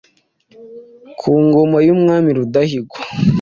ku ngoma y’umwami Rudahigwa.